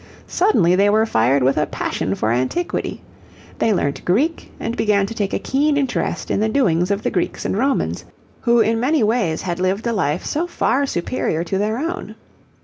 Suddenly they were fired with a passion for antiquity. They learnt Greek and began to take a keen interest in the doings of the Greeks and Romans, who in many ways had lived a life so far superior to their own.